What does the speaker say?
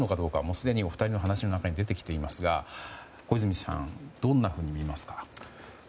すでにお二人の話の中に出てきていますが小泉さんどんなふうに見ますか。